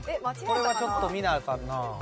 これはちょっと見なアカンなあ。